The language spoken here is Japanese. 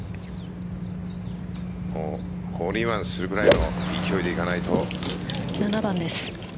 ホールインワンするぐらいの勢いでいかないと。